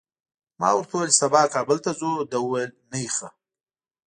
ما ورته وویل چي سبا کابل ته ځو، ده وویل نېخه!